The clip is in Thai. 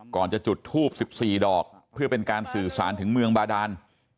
ก่อนจะจุดทูบ๑๔ดอกเพื่อเป็นการสื่อสารถึงเมืองบาดาน